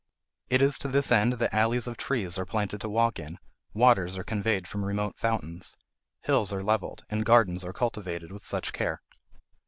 It is to this end that alleys of trees are planted to walk in, waters are conveyed from remote fountains, hills are levelled, and gardens are cultivated with such care.